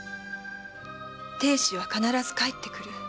「亭主は必ず帰ってくる。